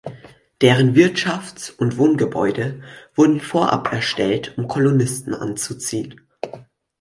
Deren Wirtschafts- und Wohngebäude wurden vorab erstellt, um Kolonisten anzuziehen.